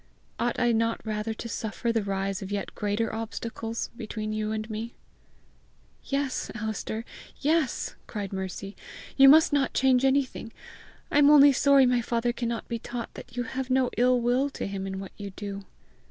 Ought I not rather to suffer the rise of yet greater obstacles between you and me?" "Yes, Alister, yes!" cried Mercy. "You must not change anything. I am only sorry my father cannot be taught that you have no ill will to him in what you do."